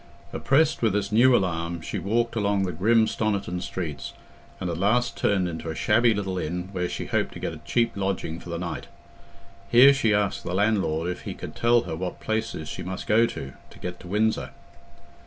Oppressed with this new alarm, she walked along the grim Stoniton streets, and at last turned into a shabby little inn, where she hoped to get a cheap lodging for the night. Here she asked the landlord if he could tell her what places she must go to, to get to Windsor.